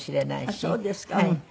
あっそうですか。